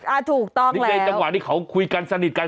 อ่าถูกต้องนี่ในจังหวะที่เขาคุยกันสนิทกัน